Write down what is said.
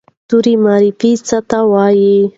توري مورفي څه ته وایي؟